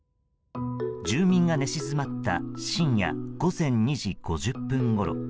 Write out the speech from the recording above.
住民が寝静まった深夜午前２時５０分ごろ。